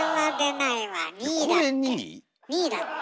２位だって。